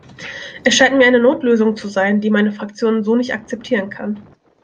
Es scheint mir eine Notlösung zu sein, die meine Fraktion so nicht akzeptieren kann.